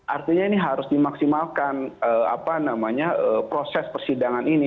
artinya ini harus dimaksimalkan proses persidangan ini